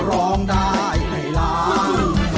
ร้องได้ให้ล้าน